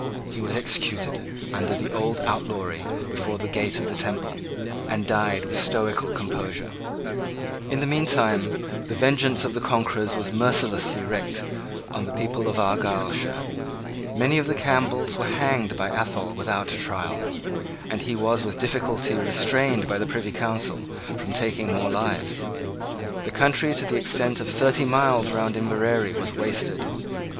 He was executed under his old outlawry before the gate of the Temple, and died with stoical composure. In the meantime the vengeance of the conquerors was mercilessly wreaked on the people of Argyleshire. Many of the Campbells were hanged by Athol without a trial; and he was with difficulty restrained by the Privy Council from taking more lives. The country to the extent of thirty miles round Inverary was wasted.